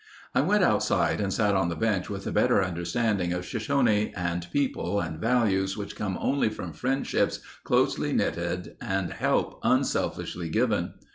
I went outside and sat on the bench with a better understanding of Shoshone and people and values which come only from friendships closely knitted and help unselfishly given.